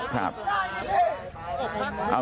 ครับครับ